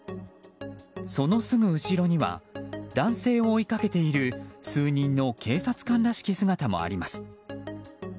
そのすぐ後ろには男性を追いかけている数人の警察官らしき姿もあります。